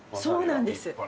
そうなんです。